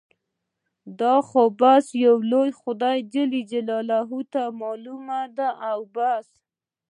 دا خو بس يو لوی خدای ته معلوم دي او بس.